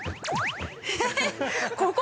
◆ええっ、ここ？